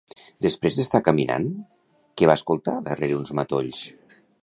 Després d'estar caminant, què va escoltar darrere d'uns matolls?